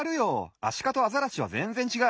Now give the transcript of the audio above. アシカとアザラシはぜんぜんちがう。